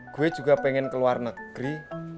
gue juga pengen keluar negeri